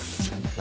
何？